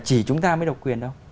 chỉ chúng ta mới độc quyền đâu